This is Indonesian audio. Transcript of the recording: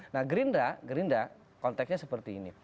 nah gerinda konteksnya seperti ini